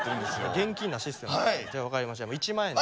現金なシステムじゃあ分かりました１万円。